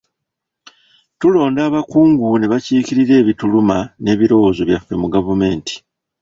Tulonda abakungu ne bakiikirira ebituluma n'ebirowoozo byaffe mu gavumenti.